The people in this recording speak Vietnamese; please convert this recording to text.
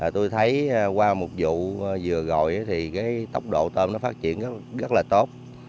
tôi thấy qua một vụ vừa gọi thì tốc độ tôm phát triển rất là tốt